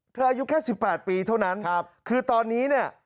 อายุแค่สิบแปดปีเท่านั้นคือตอนนี้เนี่ย